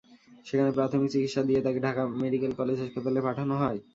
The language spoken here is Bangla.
সেখানে প্রাথমিক চিকিৎসা দিয়ে তাঁকে ঢাকা মেডিকেল কলেজ হাসপাতালে পাঠানো হয়।